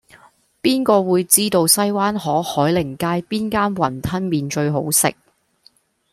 邊個會知道西灣河海寧街邊間雲吞麵最好食